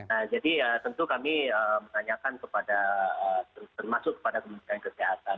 nah jadi ya tentu kami menanyakan kepada termasuk kepada kementerian kesehatan